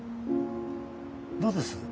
どうです？